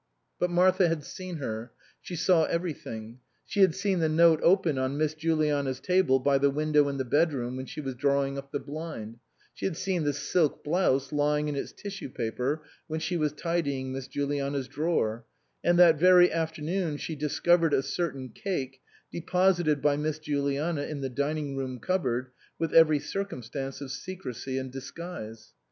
But Martha had seen her. She saw everything. She had seen the note open on Miss Juliana's table by the window in the bedroom when she was drawing up the blind ; she had seen the silk blouse lying in its tissue paper when she was tidying Miss Juliana's drawer ; and that very afternoon she discovered a certain cake deposited by Miss Juliana in the dining room cupboard with every circumstance of secrecy and disguise.